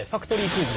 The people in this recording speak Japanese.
クイズ？